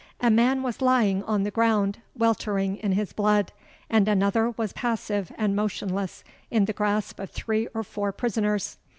A man was lying on the ground, weltering in his blood; and another was passive and motionless in the grasp of three or four prisoners.